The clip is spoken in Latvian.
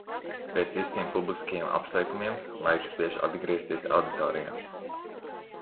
Pēc visiem publiskajiem apsveikumiem, laiks spiež atgriezties auditorijā.